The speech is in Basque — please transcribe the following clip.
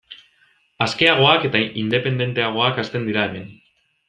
Askeagoak eta independenteagoak hazten dira hemen.